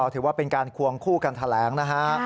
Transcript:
ถือว่าเป็นการควงคู่กันแถลงนะฮะ